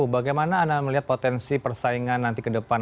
bagaimana anda melihat potensi persaingan nanti ke depan